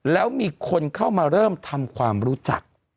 แล้วมีคนเข้ามาเริ่มทำความรู้จัก